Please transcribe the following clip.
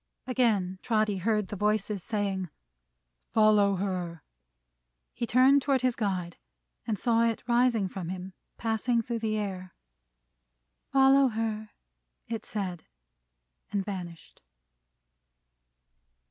Again Trotty heard the voices, saying, "Follow her!" He turned toward his guide, and saw it rising from him, passing through the air. "Follow her!" it said. And vanished.